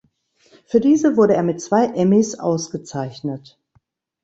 Für diese wurde er mit zwei Emmys ausgezeichnet.